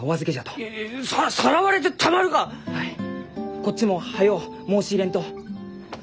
こっちも早う申し入れんと。